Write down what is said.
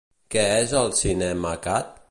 Què és el Cinemacat?